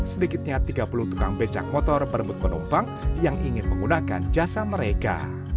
sedikitnya tiga puluh tukang becak motor berebut penumpang yang ingin menggunakan jasa mereka